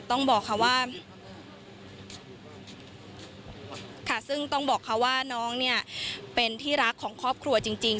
ต้องบอกค่ะว่าค่ะซึ่งต้องบอกค่ะว่าน้องเนี่ยเป็นที่รักของครอบครัวจริงจริง